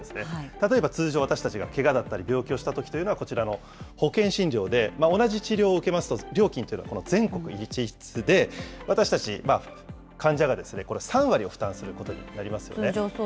例えば、通常私たちがけがだったり、病気をしたときというのは、こちらの保険診療で、同じ治療を受けますと料金というのは、全国一律で、私たち患者が３割を負担することになりますよね。